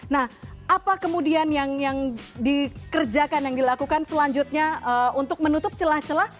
nah apa kemudian yang dikerjakan yang dilakukan selanjutnya untuk menutup celah celah